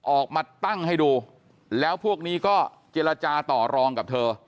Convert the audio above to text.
ออกมาตั้งให้ดูแล้วพวกนี้ก็เจรจาต่อรองกับเธอ